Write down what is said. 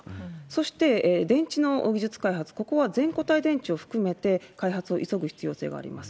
そして電池の技術開発、ここは全固体電池を含めて開発を急ぐ必要性があります。